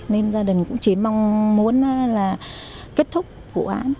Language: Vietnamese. nên gia đình cũng chỉ mong muốn là kết thúc vụ án